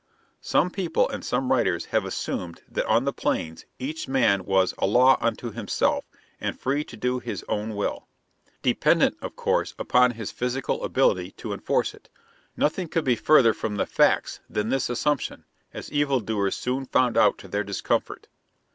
Some people and some writers have assumed that on the Plains each man was "a law unto himself" and free to do his own will, dependent, of course, upon his physical ability to enforce it. Nothing could be farther from the facts than this assumption, as evil doers soon found out to their discomfort.